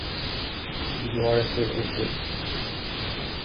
You're still in it!